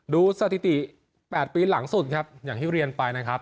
สถิติ๘ปีหลังสุดครับอย่างที่เรียนไปนะครับ